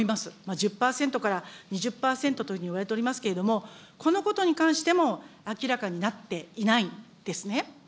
１０％から２０％というふうにいわれておりますけれども、このことに関しても、明らかになっていないんですね。